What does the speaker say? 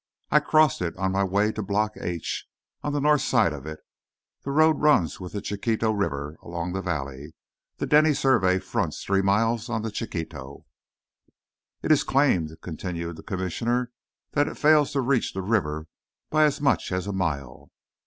"I crossed it on my way to Block H, on the north side of it. The road runs with the Chiquito River, along the valley. The Denny survey fronts three miles on the Chiquito." "It is claimed," continued the commissioner, "that it fails to reach the river by as much as a mile."